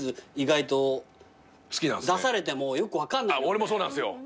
俺もそうなんすよ。